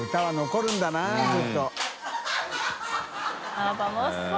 あっ楽しそう。